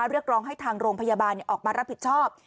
เรียกร้องให้ทางโรงพยาบาลออกมารับผิดชอบ